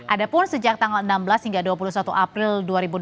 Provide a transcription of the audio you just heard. ada pun sejak tanggal enam belas hingga dua puluh satu april dua ribu dua puluh